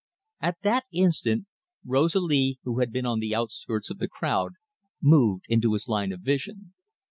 At that instant Rosalie, who had been on the outskirts of the crowd, moved into his line of vision.